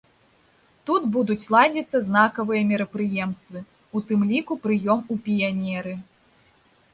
Тут будуць ладзіцца знакавыя мерапрыемствы, у тым ліку прыём у піянеры.